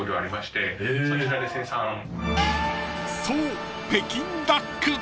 ［そう］